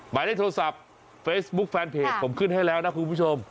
หมายเลขโทรศัพท์เฟซบุ๊คแฟนเพจผมขึ้นให้แล้วนะคุณผู้ชม